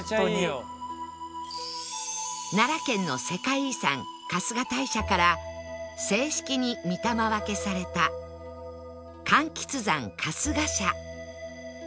奈良県の世界遺産春日大社から正式に御霊分けされた甘橘山春日社